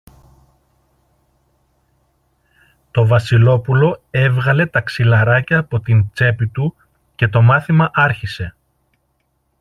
Το Βασιλόπουλο έβγαλε τα ξυλαράκια από την τσέπη του και το μάθημα άρχισε.